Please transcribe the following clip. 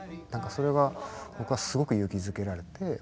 それが僕はすごく勇気づけられて。